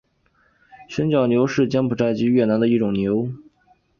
旋角牛是柬埔寨及越南的一种牛。